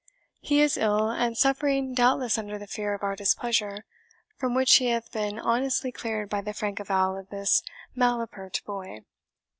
He is ill, and suffering doubtless under the fear of our displeasure, from which he hath been honestly cleared by the frank avowal of this malapert boy.